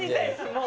もう。